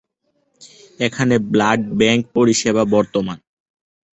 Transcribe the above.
এখানে blood bank পরিষেবা বর্তমান।